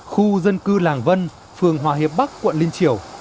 khu dân cư làng vân phường hòa hiệp bắc quận liên triều